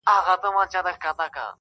نقادان يې بېلابېل تحليلونه کوي تل